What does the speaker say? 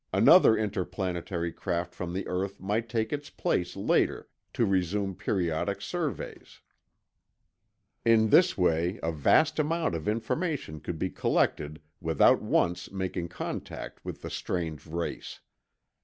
Another interplanetary craft from the earth might take its place later to resume periodic surveys. In this way, a vast amount of information could be collected without once making contact with the strange race.